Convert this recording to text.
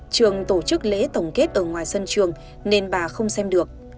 trường tổ chức lễ tổng kết ở ngoài sân trường nên bà không xem được